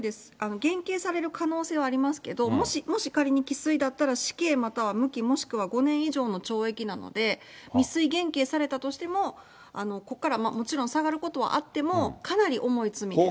減刑される可能性はありますけど、もし、もし仮に既遂だったら、死刑もしくは無期、もしくは５年以下の懲役なので、未遂減刑されたとしても、ここからもちろん下がることはあっても、かなり重い罪です。